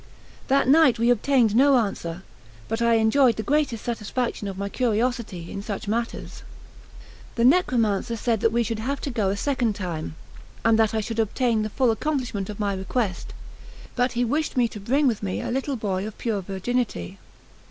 That night we obtained no answer; but I enjoyed the greatest satisfaction of my curiosity in such matters. The necromancer said that we should have to go a second time, and that I should obtain the full accomplishment of my request; but he wished me to bring with me a little boy of pure virginity.